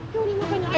yuk dimapain aja